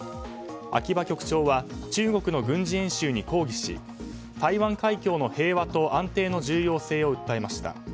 秋葉局長は中国の軍事演習に抗議し、台湾海峡の平和と安定の重要性を訴えました。